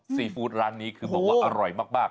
ซีฟู้ดร้านนี้คือบอกว่าอร่อยมาก